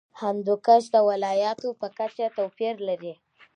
هندوکش د ولایاتو په کچه توپیر لري.